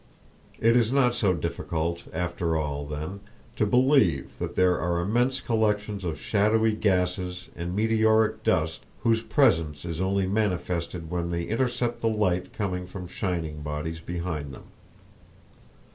It is not so difficult, after all, then, to believe that there are immense collections of shadowy gases and meteoric dust whose presence is only manifested when they intercept the light coming from shining bodies behind them.